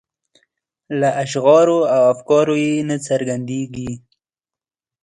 له اشعارو او افکارو یې نه څرګندیږي.